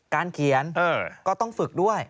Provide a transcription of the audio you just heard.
การเขียนก็ต้องฝึกด้วย